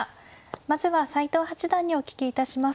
まずは斎藤八段にお聞きいたします。